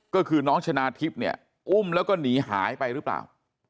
ก็คือน้องชนะทิพย์เนี่ยอุ้มแล้วก็หนีหายไปหรือเปล่า